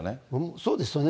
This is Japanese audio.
そうですね。